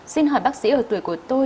xin hỏi bác sĩ ở tuổi của tôi